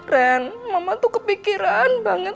ren mama tuh kepikiran banget